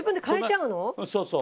そうそう。